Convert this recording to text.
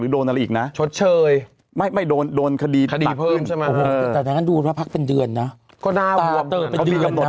โดนอะไรอีกนะโชตเชยไม่ไม่โดนโดนสดีพิมพ์ใช่ขนาดที่เราไปดูแล้วว่าครับเป็นเดือนนะก็หน้ามากเขามีกำหนด